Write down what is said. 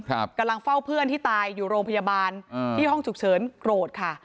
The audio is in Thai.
กำลังเฝ้าเพื่อนที่ตายอยู่โรงพยาบาลอืมที่ห้องฉุกเฉินโกรธค่ะ